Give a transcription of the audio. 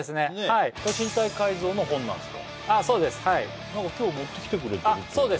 はい身体改造の本なんですか？